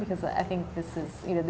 karena saya pikir ini adalah